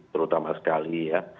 terutama sekali ya